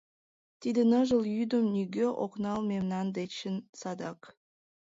Тиде ныжыл йӱдым Нигӧ ок нал мемнан дечын садак.